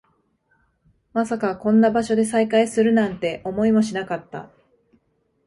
まさかこんな場所で再会するなんて、思いもしなかった